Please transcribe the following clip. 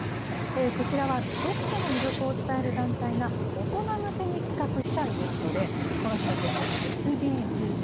こちらは読書の魅力を伝える団体が、大人向けに企画したイベントで、この日のテーマはＳＤＧｓ。